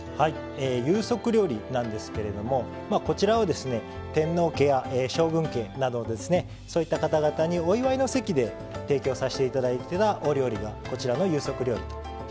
有職料理なんですけれどもこちらを天皇家や将軍家などそういった方々にお祝いの席で提供させて頂いていたお料理がこちらの有職料理というふうになります。